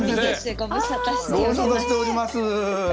ご無沙汰しております。